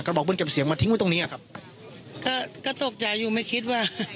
ก็บอกเพิ่งเก็บเสียงมาทิ้งไว้ตรงเนี้ยครับก็ก็ตกใจอยู่ไม่คิดว่า